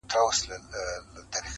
هم خوارځواکی هم ناروغه هم نېستمن وو،